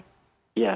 ya terima kasih